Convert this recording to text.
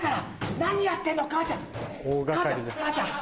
何やってんの母ちゃん。